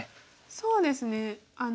そうですね。